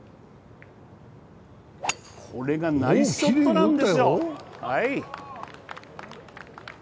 これがナイスショットなんですよ。